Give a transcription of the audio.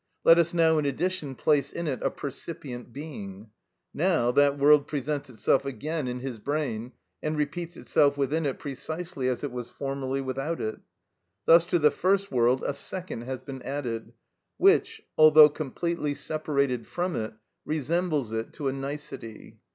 Let us now in addition place in it a percipient being. Now that world presents itself again in his brain, and repeats itself within it precisely as it was formerly without it. Thus to the first world a second has been added, which, although completely separated from it, resembles it to a nicety.